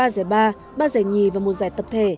ba giải ba ba giải nhì và một giải tập thể